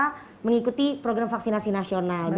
untuk bisa mengikuti program vaksinasi nasional